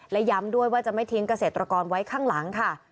และย้ำด้วยว่าจะไม่ทิ้งเกษตรกรไว้ข้างหลังค่ะ